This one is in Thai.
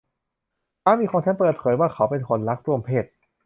สามีของฉันเปิดเผยว่าเขาเป็นคนรักร่วมเพศ